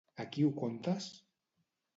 A qui ho contes?